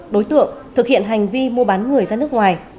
đối tượng thực hiện hành vi mua bán người ra nước ngoài